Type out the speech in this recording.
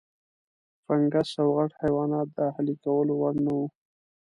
فنګس او غټ حیوانات د اهلي کولو وړ نه وو.